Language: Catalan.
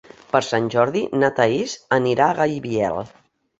Per Sant Jordi na Thaís anirà a Gaibiel.